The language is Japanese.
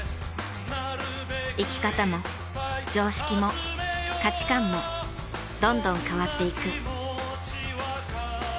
生き方も常識も価値観もどんどん変わっていく。